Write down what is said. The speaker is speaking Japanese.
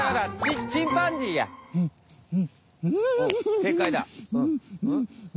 せいかいだ。